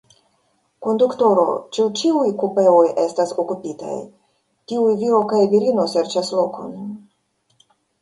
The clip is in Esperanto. Konduktoro, ĉu ĉiuj kupeoj estas okupitaj? tiuj viro kaj virino serĉas lokon.